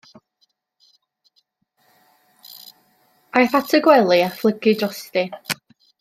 Aeth at y gwely a phlygu drosti.